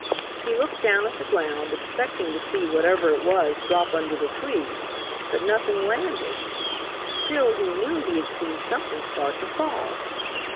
He looked down at the ground, expecting to see whatever it was drop under the tree, but nothing landed. Still he knew he had seen something start to fall.